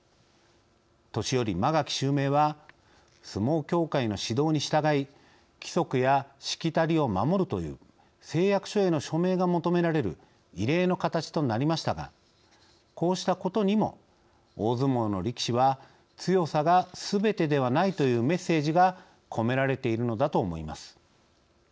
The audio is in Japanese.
年寄・間垣襲名は「相撲協会の指導に従い規則やしきたりを守る」という誓約書への署名が求められる異例の形となりましたがこうしたことにも「大相撲の力士は強さがすべてではない」というメッセージが込められているのだと思います。